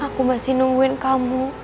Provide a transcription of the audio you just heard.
aku masih nungguin kamu